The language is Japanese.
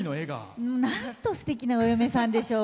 なんとすてきなお嫁さんでしょう。